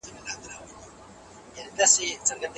ږیري د ډېرو ړوند سړو لخوا په ګڼ ځای کي ساتل کیږي.